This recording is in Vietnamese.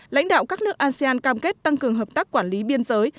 lãnh đạo các nước asean cam kết tăng cường hợp tác quản lý biên giới